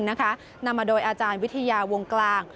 นำมาโดยอาจารย์วิทยาวงกลาง